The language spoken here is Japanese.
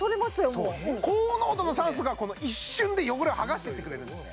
もう高濃度の酸素が一瞬で汚れをはがしてってくれるんですね